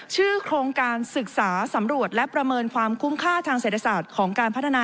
ชื่อโครงการศึกษาสำรวจและประเมินความคุ้มค่าทางเศรษฐศาสตร์ของการพัฒนา